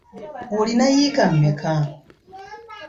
Olina yiika mmeka?